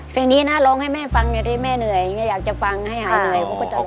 เพลงนี้นะร้องให้แม่ฟังอยู่ที่แม่เหนื่อยอย่างนี้อยากจะฟังให้หายเหนื่อย